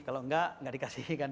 kalau nggak nggak dikasihkan